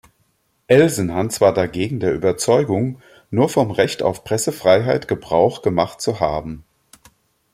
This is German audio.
Elsenhans war dagegen der Überzeugung nur vom Recht auf Pressefreiheit Gebrauch gemacht zu haben.